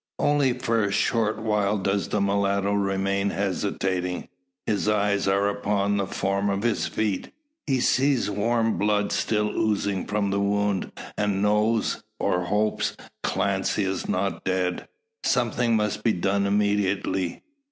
Only for a short while does the mulatto remain hesitating. His eyes are upon the form at his feet. He sees warm blood still oozing from the wound, and knows, or hopes, Clancy is not dead. Something must be done immediately.